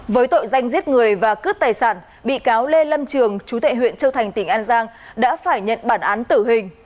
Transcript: với tội danh giết người và cướp tài sản bị cáo lê lâm trường chú tệ huyện châu thành tỉnh an giang đã phải nhận bản án tử hình